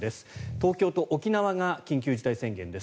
東京と沖縄が緊急事態宣言です。